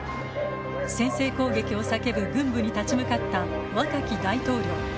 先制攻撃を叫ぶ軍部に立ち向かった若き大統領。